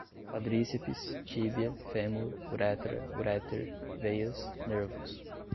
quadríceps, tíbia, fêmur, uretra, uréter, veias, nervos